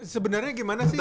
sebenarnya gimana sih dok